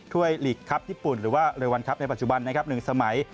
หลีกครับญี่ปุ่นหรือว่าเรวันครับในปัจจุบันนะครับ๑สมัย